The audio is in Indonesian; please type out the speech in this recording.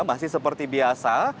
masih seperti biasa